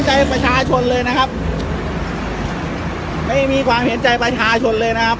ใจประชาชนเลยนะครับไม่มีความเห็นใจประชาชนเลยนะครับ